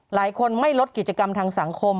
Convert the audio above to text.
หลายคนไม่ลดกิจกรรมทางสังคม